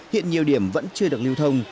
hiện nhiều điểm vẫn chưa được lưu thông